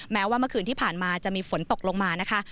แม้ว่าเมื่อคืนที่ผ่านมาจะมีฝนตกลงมานะคะ